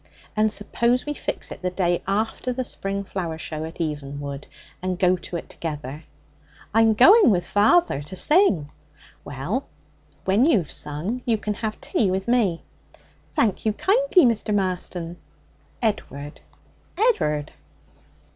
'And suppose we fix it the day after the spring flower show at Evenwood, and go to it together?' 'I'm going with father to sing.' 'Well, when you've sung, you can have tea with me.' 'Thank you kindly, Mr. Marston.' 'Edward.' 'Ed'ard.'